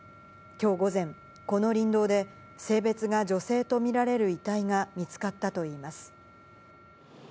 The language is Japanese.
きょう午前、この林道で、性別が女性と見られる遺体が見つかったといいます。